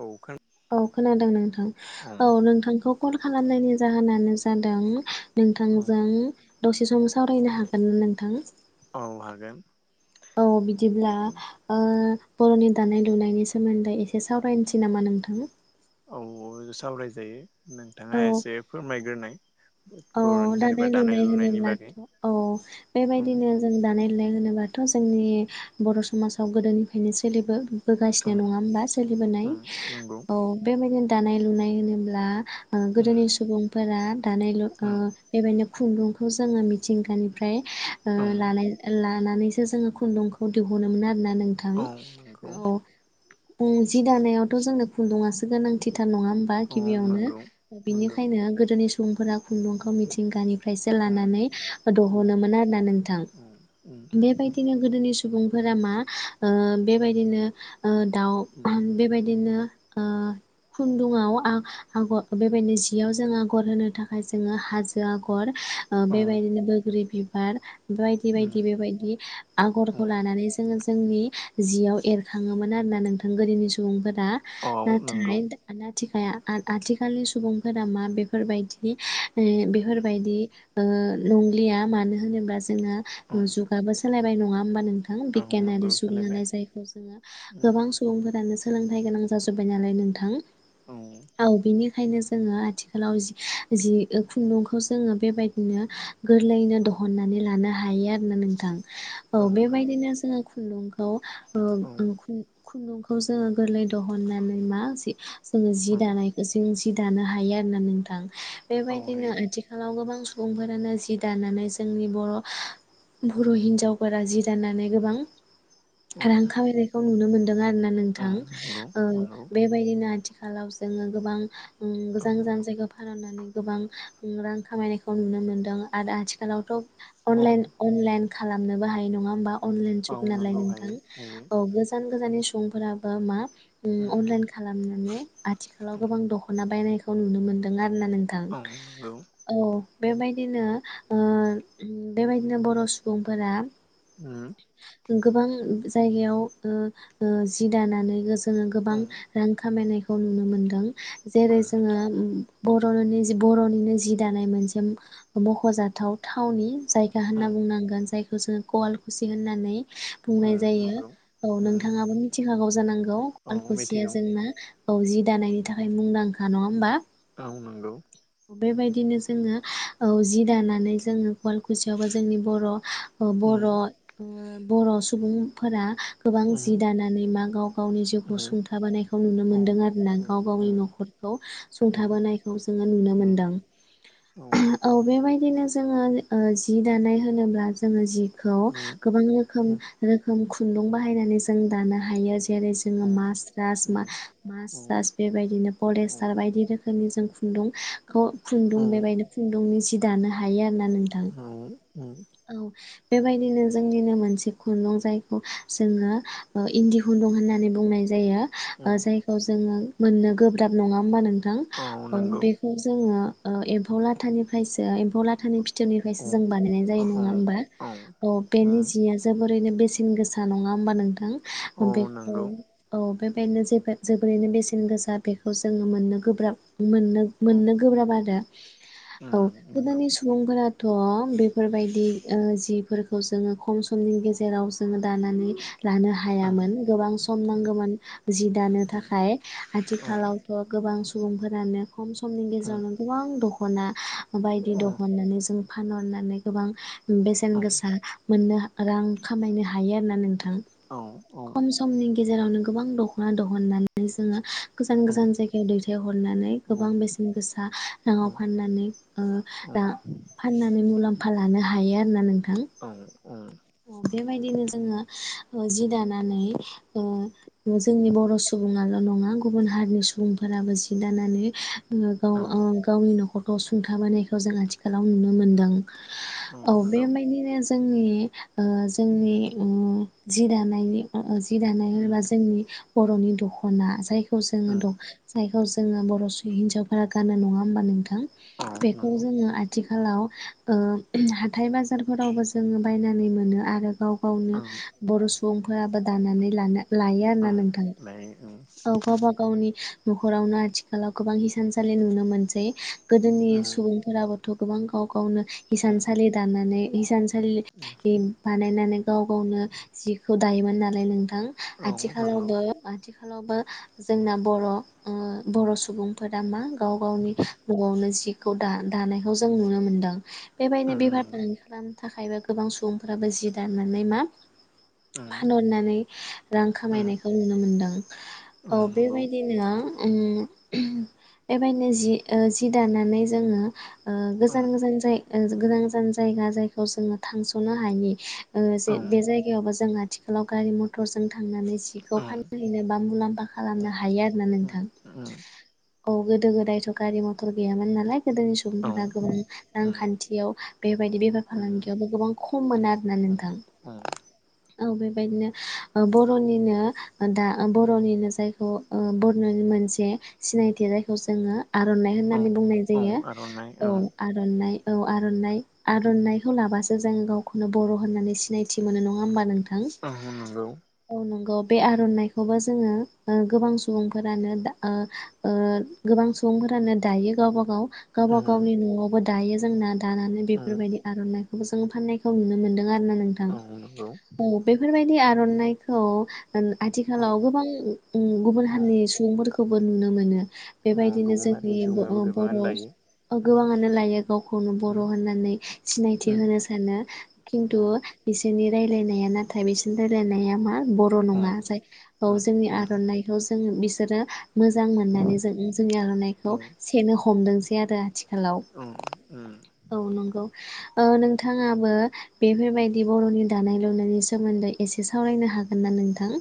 औ खोना औ खोनादों नोंथां औ नोंथांखौ कल खालामनायनि जाहोनानो जादों औ नोंथांजों दसे सम सावरायनो हागोनना नोंथां। औ हागोन। औ बिदिब्ला ओ बर'नि दानाय लुनायनि सोमोन्दै एसे सावरायनोसै नामा नोंथां। औ सावराय जायो। नोंथाङा औ एसे फोरमायग्रोनाय औ बर'नि दानाय जेनेबा लुनाय लुनायनि बागै होनोब्लाथ' औ उम बेबायदिनो जों दानाय दानाय होनोबाथ' जोंनि बर' समाजाव गोदोनिफ्रायनो सोलिबो होगासिनो उम नङा होमबा सोलिबोनाय उम नंगौ औ बेबायदिनो दानाय लुनाय होनोब्ला उम गोदोनि सुबुंफोरा दानायल' उम [unintelligible] खुन्दुंखौ जोङो मिथिंगानिफ्राय उम लानाय। [unintelligible] लानानैसो जोङो खुन्दुंखौ दिहुनो मोन आरो ना नोंथां औ नंगौ औ जि दानायावथ' जों खुन्दुंआसो गोनांथि नङा होमबा औ गिबियावनो नंगौ नंगौ बिनिखायनो गोदोनि सम सुबुंफोरा खुन्दुंखौ मिथिंगानि फ्राय सो औ लानानै औ दहनोमोन आरोना नोंथां औ उम उम बेबायदिनो गोदोनि सम सुबुंफोरा मा ओ बेबायदिनो ओ दाउ बेबायदिनो ओ खुन्दुंआव आ-आग' बेबायदिनो जियाव जों आगर होनो थाखाय जोंङो हाजो आगर ओ औ बेबायदिनो बैग्रि बि बार बायदि उम बायदि बेबायदि आगरखौ उम लानानै जोङो जोंनि जियाव एरखाङोमोन आरोना नोंथां गोदोनि सुबुंफोर रा औ नंगौ नाथाय दाना थिखाया आ-आथिखालनि सुबुंफोरा मा बेफोरबायदि [unintelligible] ओ बिफोर उम बायदि ओ नंलिया मानो होनोबा जोंहा औ जुगाबो सो सोलायबाय नङा होमबा? नों थां औ बिगियानारि नंगौ सोलायबाय जुगनालाय जायखौ जोङो उम गोबां सुबुंफोरानो सोलोंथाइ गोनां जाजोब्बाय नालाय नोंथां। औ औ बेनिखायनो जोंङो आथिखालाव जि जि खुन्दुंखौ जोङो बेबायदिनो गोरलैनो औ दहननानै लानो हा हायो आ नों नोंथां औ बेबायदिनो जों खुन्दुंखौ ओ औ ओं खुन खुन्दुंखौ जोङो गोरलै दिहननानै मा जि जोङो जि औ दानायखौ जों जि दानो हायो आरो ना नोंथां। औ बेबायदिनो हायो आथिखालाव गोबां सु बुंफोरानो जि दानानै जोंनि बर' बर' हिनजावफोरा जि दानानै गोबां रां औ खामायनायखौ नुनो मोन दों आरो ना औ नोंथां नंगौ ओ नंगौ बेबायदिनो आथिखाल खालाव जोङो गोबां ओ औ गोजान गोजान जायगा फानहरनानै रां रां खामायनायखौ नुनो मोनदों आरो आथिखालावथ' औ अनलाइन अनलाइन खालामनोबो हायो नङा ओमबा। अनलाइन औ जुक नालाय नंगौ नोंथां। हायो हायो औ गोजान गोजाननि सुंफ्राबो मा उम अनलाइन खालामनानै आथिखालाव उम गोबां दख'ना बायनायख खौ नुनो मोनदों आरोना नों थां औ नंगौ औ बेबायदिनो ओ बेबायदिनो बर' सुबुंफोरा उम। गोबां जायगायाव ओ ओ जि दानानै गोस जोङो गोबां औ रां खामायनाय खौ नुनो मोनदों। औ जेरै जोङो बर'निस जि बर'निनो जि दानाय मोनसे मख'जाथाव थावनि जायगा औ होनना बुंनांगोन जायग गोजो गल खुसि होननानै औ बुंनाय जायो। नंगौ औ उम नोंथाङाबो मिथि हागाव जानां औ ल'आल खुसिया मिथिगौ जोंना औ जि दानायनि थाखाय मुंदांखा नङा होमबा? औ नोंगौ। बेबायदिनो जोङो औ जि दानानै जोङो वालकुसियावबो जोंनि बर' ओ उम बर' ओ बर' सुबुंफोरा गोबां उम जि दानानै मा गाव गावनि जिउखौ उम सुंथाबोनायखौ नुनो औ मोन्दों आरोना उम गाव गावनि उम न'खरखौ औ सुंथाबोनायखौ [unintelligible] नुनो उम मोनदां औ बेबाय दिनो जोङो ओ जि दानाय होनोब्ला जोङो जि खौ उम गोबां होखोम उम रोखोम खु खुन्दुं बाहायनानै जों दानो हायो जि जेरै जोङो औ मासरास मा उम औ मासरास बेबायदिनो औ परेस्टार बायदि रोखोमनि जों खुनदुं। ख' खुन्दुं औ बेबायनो खुन्दुंनि सि दानो हायो आ ना नोंथां उम औ। बेबायदिनो जोंनिनो मोनसे ख'नं जायखौ जोङो ओ इन्दि खुन्दं होननानै बुंनाय जायो। ओ औ जायखौ जोङो मोननो गोब्राब नङा होमबा नोंथां। थां औ बेखौ जोङो ओ एम्फौ लाथानिफ्रायसो लाथानि फिथोबनिफ्रायसो औ जों बानायनाय जायो औ औ नङा होमबा औ बेनि उम जिया जोबोरैनो बेसेन गोसा नङा होमबा नों थां औ बेखौ नंगौ औ बे बेनो जे जोबोरैनो बेसेन गोसा बेखौ जोङो मोननो गोब्राब। मोननो औ मोननो गोब्राब आरो। औ उम नंगौ गोदोनि सुबुंफोराथ' बेफोरबायदि ओ जिफोरखौ जोङो खम समनि गेजेराव जोङो दानानै लानो औ हायामोन गोबां सम नांगौमोन जि दानो थाखाय आथिखालावथ' गोबां मुं फोरानो खम समनि गेजेरावनो गोबां दख खना बायदि दखनानि जोम फानहरनानै गोबां बेसेन गोसा मोननो रां खामायनो हायो आरोना नोंथां। थां खम समनि गेजेरावनो गोबां दख'ना दहननानै जोङो गोजान गोजान जायगायाव दैथाय हरनानै गोबां बेसेन गोसा रांआव फाननानै ओ ओ फाननानै मुलाम्फा लानो हायो आरो ना नों औ [unintelligible] बेबायदिनो जोङो जि दानानै ओ जोंनि बर' सुबुङाला नङा गुबुन हारिनि सुबुंफोराबो जि दानानै [inaudible] गावनि न'खर गसुंथाबोनायखौ जों आथिखालाव नुनो मोनदों। औ बेबायदिनो जोंङनि ओ जोंनि ओ जि दानायनि [inaudible] जि दानाय होनोबा जोंनि बर'नि दख'ना जाय- [inaudible] जोङो दं जाय जोङो बर' [inaudible] हिन्जावफोरा गानो नङा होमबा नोंथां बेखौ जोङो आथिखालाव ओ [unintelligible] हाथाय बाजारफोरावबो जोङो बायनानै मोनो आरो गाव गावनो बर' सुबुंफोराबो दानानै लानो लायो आरोना नोंथां औ गावबा गावनि न'खरावनो आथिखालाव गोबां हिसानसालि नुनो मोनसै गोदोनि सुबुंफोराबो थ' गोबां गाव गावनो हिसानसालि दानानै इसान- [inaudible] बानायनानै गाव गावनो जिखौ दायोमोन नालाय नों थां आथिखालावबो आथिखालावबो जोंना बर' ओ बर' सुबुंफोरा मा गाव गावनि न'आवनो जिखौ दा दानायखौ जों नुनो मोनदों। बेबायदिनो [inaudible] खालामो थाखायबो गोबां सुबुंफोराबो जि दाननानै मा फानहरनानै रां खामायनायखौ नुनो मोनदों औ बेबायदिनो। उम [unintelligible] बेबायदिनो जि ओ जि दानानै जोङो- ओ गोजान गोजान जाय ओ गोजान गोजान जायगा जायखौ जोङो थांस'नो हायि ओ जे बे जायगायावबो जोंहा आथिखालाव गारि मथ टरजों थांनानै जिखौ फानहैनो बा मुलाम्फा खालामनो हायो आरो ना नोंथां। उम। औ गोदो गोदायथ गारि मथर गैयामोन नालाय गोदोनि सुबुंफोरा गोबां रांखान्थियाव बेबायदि बेफार फालांगियावबो गोबां खम मोन आरोना नोंथां। औ बेबायदिनो ओ बरनिनो दा बरनिनो जायखौ ओ बरनि मोन से सिनायथि जायखौ जोङो आरनाइ होननानै बुंनाय जायो औ आरनाइ। औ आरनाइ आरनाइखौ लाबासो जों गावखौनो बर होननानै सिनायथि मोनो नङा होमबा नोंथां औ नंगौ औ नंगौ। बे आरनाइखौबो जोङो ओ गोबां सुबुंफोरानो दा ओ ओ गोबां सुबुंफोरानो दायो गावबा गाव गावबा उम गावनि नआवबो दायो जोंना दानानै उम बेफोरबायदि आरनाइ जों फाननायखौ नुनो मोनदों। गानो नोंथां औ नंगौ औ बेफोर बाय दि आरनाइखौ औ आथिखालाव गोबां गुबुन औ हारिनि सुबुंफोरखौ- बो नुनो मोनो। औ बेबायदिनो गुबुन जोंनि हारिनि सुबुङाबो बर गोबाङानो लायो गोबाङानो लायो गावखौनो बर उम होननानै सिनायथि उम होनो सानो खिन्थु उम बिसोरनि रायलायनाया नाथाय बिसिम रायलायनाया मा बर औ नङा जाय औ उम जोंनि उम आरनाइखौ जों बि आरो मोजां मोननानै जों जोंनि आरनाइखौ उम सेनो हमदों [unintelligible] हेलौ उम उम औ नंगौ। औ नोंथाङाबो बेफोरबायदि बरनि दानाय लुनायनि सोमोन्दै एसे सावरायनो हागोन ना नोंथां?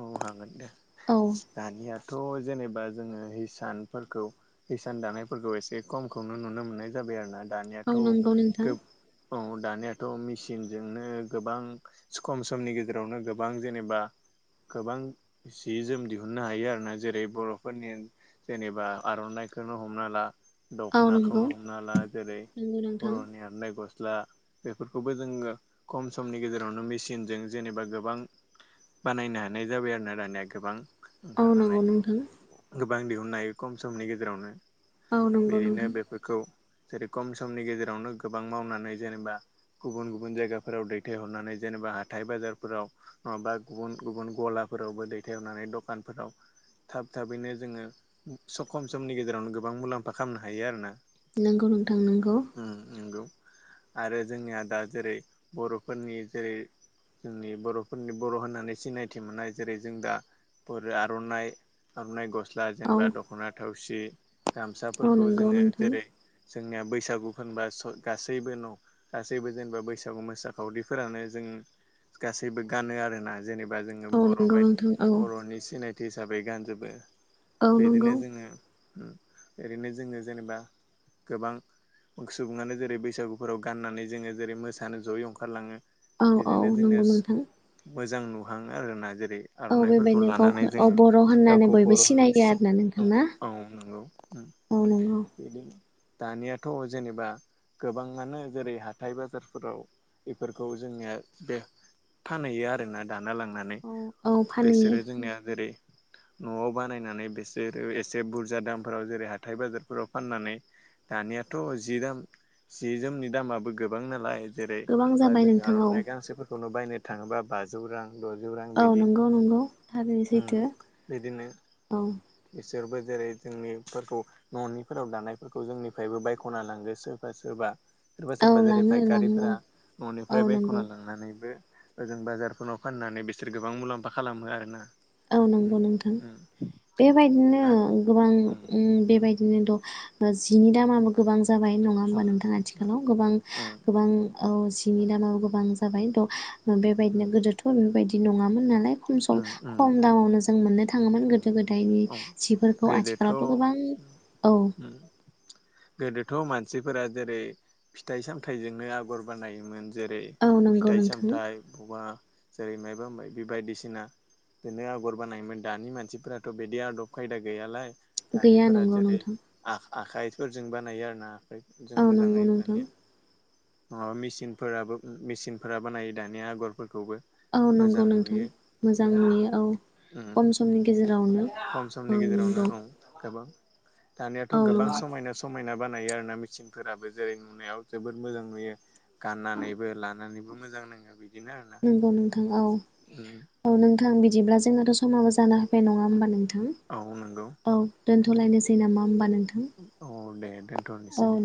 औ हागोन दे औ दानियाथ जेनेबा जोङो हिसानफोरखौ हिसान दानायफोरखौ एसे कमखौनो नुनो मोननाय जाबाय आरोना। दानिया' औ नंगौ नोंथां गो औ दानियाथ मिसिनजोंनो गोबां खम समनि गेजेरावनो गोबां जेनेबा गोबां जि जोम दिहुननो हायो आरोना जेरै बरफोरनि जेनेबा आरनाइखौनो हमना ला औ नंगौ दखनाखौनो हमना ह ला जेरै नंगौ नोंथां बरनि आरनाय ग गस्ला बेफोरखौबो जोङो खम समनि गेजेरावनो मेसिनजों जेनेबा गोबां बानायनो हायो हानाय जाबाय आरो ना दानिया गोबां ओ नंगौ ओंखारनानै नोंथां गोबां दिहुननो हायो खम समनि गेजेरावनो औ नंगौ बिदिनो नोंथां बेफोरखौ जेरै खम समनि गेजेरावनो गोबां मावनानै जेनेबा गुबुन गुबुन जायगाफोराव दैथायहरनानै जेनेबा हाथाय बाजारफोराव नङाबा गुबुन गुबुन गलाफोरावबो दैथायरनानै दखानफोराव थाब थाबैनो जोङो खम समनि गेजेरावनो गोबां मुलाम्फा खालामनो हायो आरो ना नंगौ नोंथां नंगौ नंगौ आरो जोंनिया दा जेरै बर'फोरनि जेरै जोंनि बर'फोरनि बर' होननानै सिनाय थि मोननाय जेरै जों दा आरननाय आरननाय ग सला औ जेनबा दख'ना थाव सि औ गामसाफोरखौ नंगौ जोङो नोंथां जेरै जोंनिया बैसागुफोरबा स गासैबो न' गासैबो जेनेबा बैसागु मोसाखावरिफोरानो जों गासैबो गानो आरोना जेनेबा जोङो औ बर' नंगौ बायदि नोंथां औ बर'नि सिनायथि हिसाबै गानजोबो औ नंगौ बेदिनो जोङो ओरैनो जोङो जेनेबा गोबां सुबुङानो जेरै बैसागुफोराव गाननानै जोङो जेरै मोसानो जयै ओंखारलाङो औ औ बिदिनो जोङो नंगौ नोंथां मोजां नु लांङो आरो ना जे औ आर'नाइफोरखौ बेबायदिनो लानानै गावखौ औ जोङो बर' होननानै गावखौ बयबो बर' सिनायो आरोना नोंथां ना होननानांगौ औ नंगौ बिदिनो दानियाथ' जेनेबा गोबाङानो जेरै हाथाइ बाजारफोराव बेफोरखौ जोंनिया बे फानहैयो आरोना दाना लांनानै औ औ फानहैयो बेसोरो जोंनिया जेरै न'आव बानायनानै बेसोरो एसे बुरजा दामफोराव जेरै हाइ बाजारफोराव फाननानै दानियाथ' जि दाम जि जोमनि दामाबो गोबां नालाय जेरै गोबां दा जाबाय जों नोंथां औ आर'नाइ गांसोफोरखौनो बायनो थाङोबा बजि जौ रां औ नंगौ नंगौ थागैनि उम सैथो बिदिनो औ बिसोरबो जेरै जोंनिफोरखौ न'निफोराव दानायफोरखौ जोंनिफ्रायबो बायख'ना लांगो सोरबा सोरबा सोरबा औ सोरबा जेरै लाङो लाङो फाइकारिफोरा औ औ न'निफ्राय बाय नंगौ ख'ना लांनानैबो ओजों बाजारफोराव फाननानै बिसोर गोबां मुलाम्फा खालामो आरो ना औ नंगौ नोंथां बेबायदिनो दा गोबां उम उम बेबायदिनो द' जिनि दामाबो गोबां जाबाय नङा होमबा नोंथां आथिखालाव गोबां गोबां औ जिनि दामाबो गोबां जाबाय थ' बेबायदिनो गोदोथ' बेफोरबायदि बिदि नङामोन नालाय खम सम खम दामावनो जों मोननो थाङोमोन गोदो गोदायनि जिफोरखौ गोदोथ' आथिखालावथ' गोबां उम, औ उम. गोदोथ' मानसिफोरा जेरै फिथाइ सामथाइजोंनो आगर बानायोमोन जेरै औ नंगौ फिथाइ नोंथां सामथाइ बबा जेरै माइबा माइबिय बायदिसिना बिनो आगर बानायोमोन दानि मानसिफोराथ' बिदि आदब खायदा गैयालाय गैया दानिफोरा नंगौ जेरै नोंथां आ आखाइफोरजों बानायो आरो ना फ्राय जों औ नंगौ मोजाङै नोंथां दानिया अ मेसिनफोराबो मेसिनफोराबो नायो दानि आगरफोर औ नंगौ नोंथां मोजां उम नुयो औ उम खम समनि गेजेरावनो खम समनि औ गेजेरावनो नंगौ औ गोबां दानियाथ' औ गोबां समायना समायना बानायो आरो ना मेचिनफोराबो जेरै नुनायाव जोबोद मोजां नुयो गाननानैबो लानानैबो मोजां नाङो बि नंगौ नोंथां औ औ नोंथां बि दिब्ला जोंहाथ' समाबो जानो होफाय नङा होमबा नों थां औ नंगौ औ दोनथ'लायनोसै नामा होमबा नों अ दे थ'निसै दे